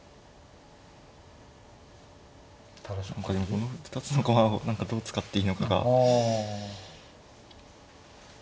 この２つの駒を何かどう使っていいのかが。